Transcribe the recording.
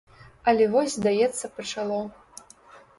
Але вось здаецца пачало.